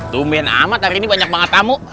tumin amat hari ini banyak banget tamu